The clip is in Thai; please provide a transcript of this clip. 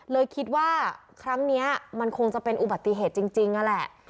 เลยคิดว่าครั้งนี้มันคงจะเป็นอุบัติเหตุจริงนั่นแหละ